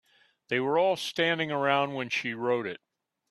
They were all standing around when she wrote it.